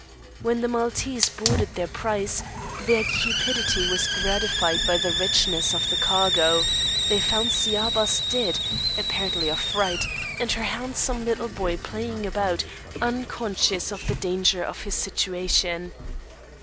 When the Maltese boarded their prize, their cupidity was gratified by the richness of the cargo; they found Sciabas dead, apparently of fright, and her handsome little boy playing about, unconscious of the danger of his situation.